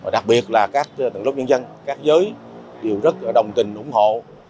đặc biệt là các tầng lớp nhân dân các giới đều rất đồng tình ủng hộ